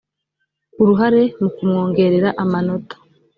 uruhare mu kumwongerera amanota